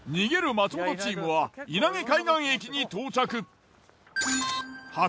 松本チームは稲毛海岸駅に到着。